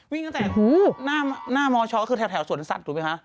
วิ่งตั้งแต่หน้ามชก็คือแถวสวนสัตว์ถูกไหมคะ